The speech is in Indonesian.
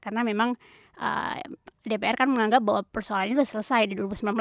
karena memang dpr kan menganggap bahwa persoalannya sudah selesai di dua ribu sembilan belas